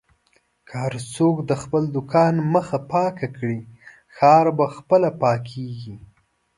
که هر څوک د خپل دوکان مخه پاکه کړي، ښار په خپله پاکېږي.